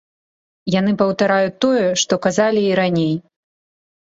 Яны паўтараюць тое, што казалі і раней.